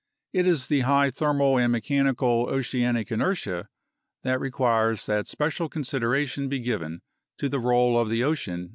It is the high thermal and mechanical oceanic inertia that requires that special consideration be given to the role of the ocean in climatic change.